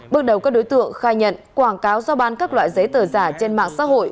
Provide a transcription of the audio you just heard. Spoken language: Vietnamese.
bước đầu các đối tượng khai nhận quảng cáo giao bán các loại giấy tờ giả trên mạng xã hội